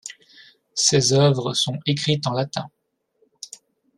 Ses œuvres sont écrites en latin.